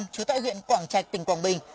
chú tại huyện quảng trạch tỉnh quảng bình